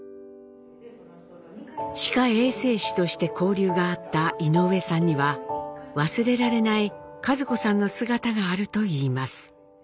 歯科衛生士として交流があった井上さんには忘れられない一子さんの姿があるといいます。